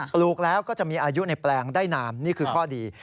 ลูกแล้วก็จะมีอายุในแปลงได้นานนี่คือข้อดี